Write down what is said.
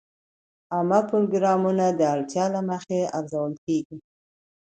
عامه پروګرامونه د اړتیا له مخې ارزول کېږي.